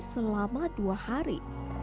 selama dua hari